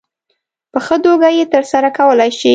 په ښه توګه یې ترسره کولای شي.